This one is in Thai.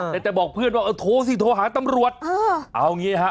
แต่จะบอกเพื่อนว่าเออโทรสิโทรหาตำรวจเออเอางี้ฮะ